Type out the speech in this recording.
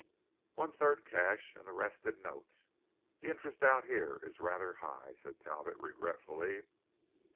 "One third cash, and the rest in notes. The interest out here is rather high," said Talbot regretfully.